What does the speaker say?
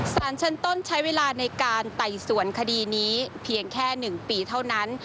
สารชั้นต้นใช้เวลาในการไต่สวนคดีนี้เพียงแค่๑ปีเท่านั้น